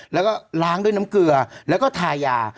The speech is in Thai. แล้วก็ล้างด้วยน้ำเกลือแล้วก็ทายา